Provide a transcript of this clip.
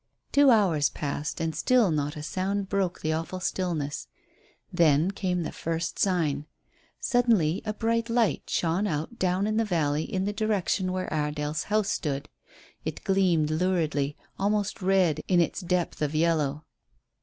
Two hours passed and still not a sound broke the awful stillness. Then came the first sign. Suddenly a bright light shone out down in the valley in the direction where Iredale's house stood. It gleamed luridly, almost red, in its depth of yellow.